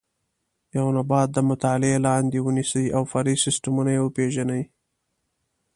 یو نبات د مطالعې لاندې ونیسئ او فرعي سیسټمونه یې وپېژنئ.